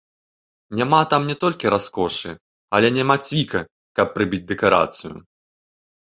Няма там не толькі раскошы, але няма цвіка, каб прыбіць дэкарацыю.